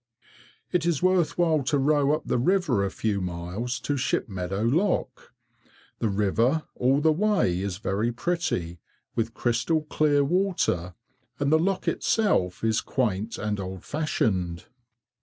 It is worth while to row up the river a few miles to Shipmeadow lock. The river all the way is very pretty, with crystal clear water, and the lock itself is quaint and old fashioned.